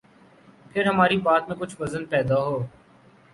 پھر ہماری بات میں کچھ وزن پیدا ہو۔